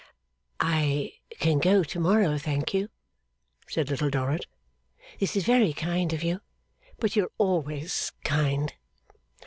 'I can go to morrow, thank you,' said Little Dorrit. 'This is very kind of you, but you are always kind.